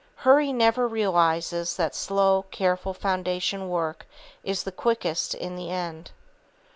Hurry never realizes that slow, careful foundation work is the quickest in the end.